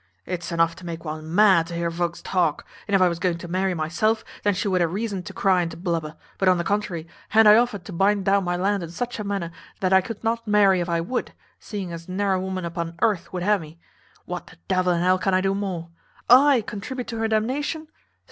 It's enough to make one mad to hear volks talk; if I was going to marry myself, then she would ha reason to cry and to blubber; but, on the contrary, han't I offered to bind down my land in such a manner, that I could not marry if I would, seeing as narro' woman upon earth would ha me. What the devil in hell can I do more? I contribute to her damnation!